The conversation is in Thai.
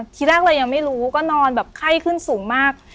ทีแรกเรายังไม่รู้ก็นอนแบบไข้ขึ้นสูงมาก